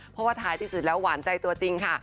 เพราะว่าท้ายที่สุดแล้วหวานใจตัวจริงค่ะ